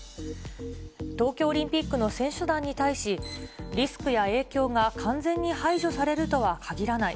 東京オリンピックの選手団に対し、リスクや影響が完全に排除されるとは限らない。